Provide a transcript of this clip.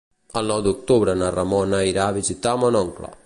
El nou d'octubre na Ramona irà a visitar mon oncle.